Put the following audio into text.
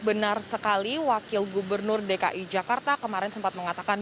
benar sekali wakil gubernur dki jakarta kemarin sempat mengatakan